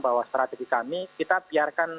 bahwa strategi kami kita biarkan